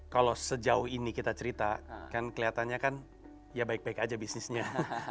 kalau sejauh ini kita cerita kan kelihatannya kan ya baik baik aja bisnisnya